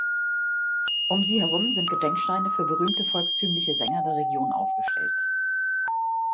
Um sie herum sind Gedenksteine für berühmte volkstümliche Sänger der Region aufgestellt.